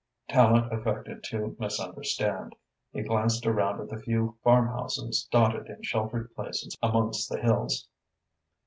Tallente affected to misunderstand. He glanced around at the few farmhouses dotted in sheltered places amongst the hills.